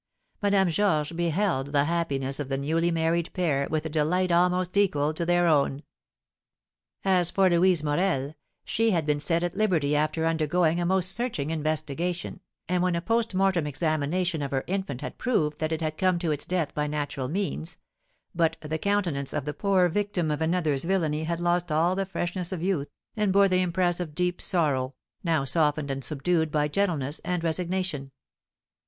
Madame Georges beheld the happiness of the newly married pair with a delight almost equal to their own. As for Louise Morel, she had been set at liberty after undergoing a most searching investigation, and when a post mortem examination of her infant had proved that it had come to its death by natural means; but the countenance of the poor victim of another's villainy had lost all the freshness of youth, and bore the impress of deep sorrow, now softened and subdued by gentleness and resignation.